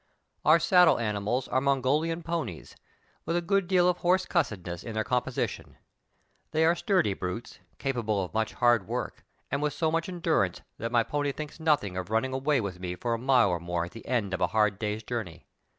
Our saddle animals are Mongolian ponies, with a good deal of horse cussedness in their composb tion. They are sturdy brutes, capable of much hard work, and with so much endurance that my pony thinks nothing of running away with me for a mile or more at the end of a hard day's journey.